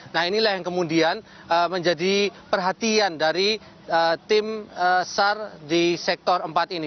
nah inilah yang kemudian menjadi perhatian dari tim sar di sektor empat ini